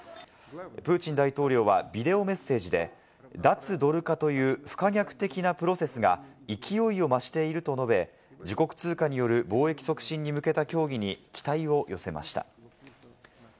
プーチン大統領は、ビデオメッセージで脱ドル化という不可逆的なプロセスがいきおいを増していると述べ、自国通貨による貿易促進に向けた協議に期待を寄せました。